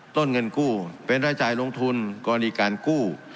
ต้นเงินกู้เป็นรายจ่ายลงทุนกรณีการกู้